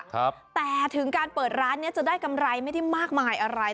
ครับแต่ถึงการเปิดร้านเนี้ยจะได้กำไรไม่ได้มากมายอะไร